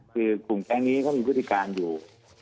คือกลุ่มแก๊งนี้เขามีพฤติการอยู่